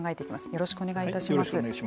よろしくお願いします。